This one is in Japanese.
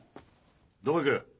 どこ行く！